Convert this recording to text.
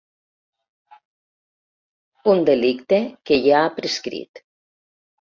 Un delicte que ja ha prescrit.